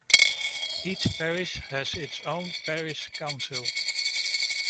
Each parish has its own parish council.